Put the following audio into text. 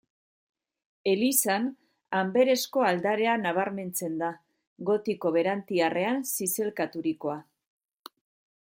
Elizan, Anberesko aldarea nabarmentzen da, gotiko berantiarrean zizelkaturikoa.